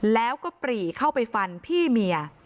แล้วก็ปรีเข้าไปฟันพี่เมีย